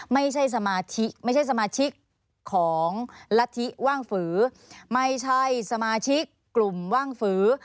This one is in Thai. ไม่ใช่สมาชิกของรัฐิว่างฝือไม่ใช่สมาชิกกลุ่มว่างฝือ